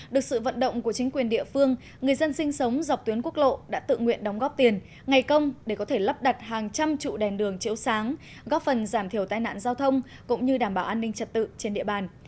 được sự vận động của chính quyền địa phương người dân sinh sống dọc tuyến quốc lộ đã tự nguyện đóng góp tiền ngày công để có thể lắp đặt hàng trăm trụ đèn đường chiếu sáng góp phần giảm thiểu tai nạn giao thông cũng như đảm bảo an ninh trật tự trên địa bàn